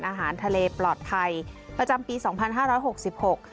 อาหารทะเลปลอดภัยประจำปีสองพันห้าร้อยหกสิบหก